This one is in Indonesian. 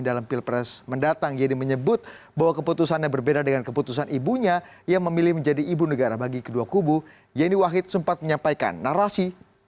dari ibu negara bagi kedua kubu yeni wahid sempat menyampaikan narasi